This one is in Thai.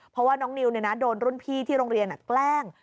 เพราะว่าน้องนิวโดนรุ่นพี่ที่โรงเรียนแกล้ง